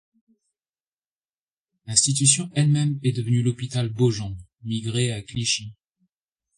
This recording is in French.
L'institution elle-même est devenue l'hôpital Beaujon, migré à Clichy.